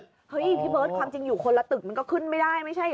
เฮ้ยพี่เบิร์ดความจริงอยู่คนละตึกมันก็ขึ้นไม่ได้ไม่ใช่เหรอ